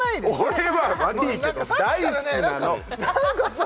俺は悪いけど大好きなのなんかさ